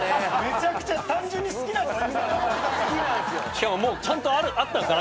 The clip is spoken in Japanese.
しかももうちゃんとあったんすね